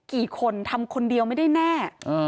กี่คนทำคนเดียวไม่ได้แน่